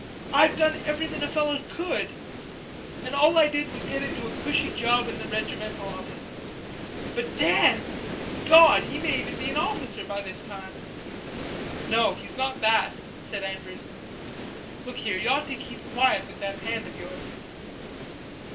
I've done everything a feller could. An' all I did was to get into a cushy job in the regimental office.... But Dan, Gawd, he may even be an officer by this time." "No, he's not that," said Andrews. "Look here, you ought to keep quiet with that hand of yours."